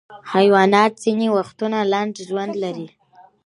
حیوانات ځینې وختونه لنډ ژوند لري.